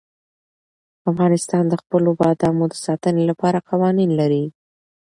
افغانستان د خپلو بادامو د ساتنې لپاره قوانین لري.